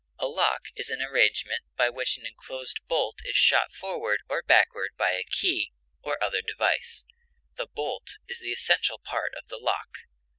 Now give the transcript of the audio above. A lock is an arrangement by which an enclosed bolt is shot forward or backward by a key, or other device; the bolt is the essential part of the lock.